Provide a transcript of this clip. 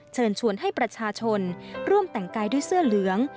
เชิญชวนให้ประชาชนร่วมแต่งกายด้วยเสื้อเหลือง